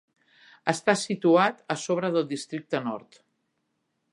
Està situat a sobre del districte "Nord".